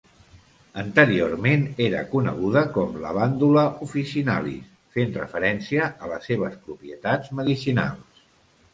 Anteriorment, era coneguda com "Lavandula officinalis", fent referència a les seves propietats medicinals.